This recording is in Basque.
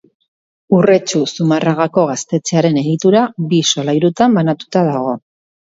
Urretxu-Zumarragako Gaztetxearen egitura, bi solairutan banatua dago.